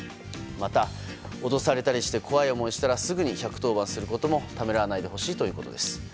また、脅されたりして怖い思いをしたらすぐに１１０番することもためらわないでほしいということです。